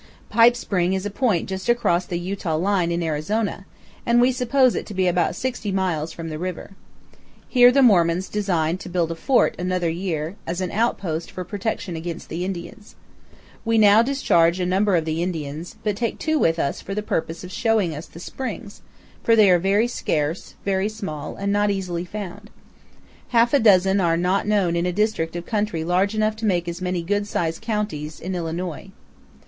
Pipe Spring is a point just across the Utah line in Arizona, and we suppose it to be about 60 miles from the river. Here powell canyons 186.jpg MUKUN'TUWEAP CANYON. the Mormons design to build a fort another year, as an outpost for protection against the Indians. We now discharge a number of the Indians, but take two with us for THE RIO VIRGEN AND THE UINKARET MOUNTAINS. 299 the purpose of showing us the springs, for they are very scarce, very small, and not easily found. Half a dozen are not known in a district of country large enough to make as many good sized counties in Illinois.